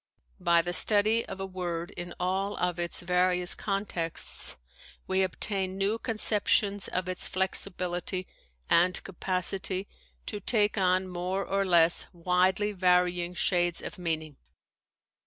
By the study of a word in all of its various contexts we obtain new conceptions of its flexibility and capacity to take on more or less widely varying shades of meaning.